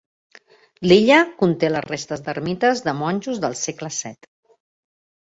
L'illa conté les restes d'ermites de monjos del segle VII.